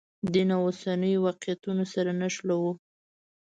دین اوسنیو واقعیتونو سره نښلوو.